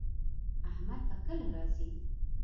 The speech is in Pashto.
احمد به کله راځي